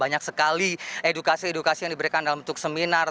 banyak sekali edukasi edukasi yang diberikan dalam bentuk seminar